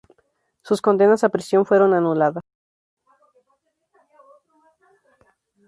Sus condenas a prisión fueron anuladas.